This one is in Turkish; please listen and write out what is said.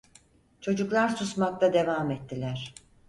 Çocuklar susmakta devam ettiler.